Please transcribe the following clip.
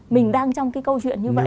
mình đang trong cái câu chuyện như vậy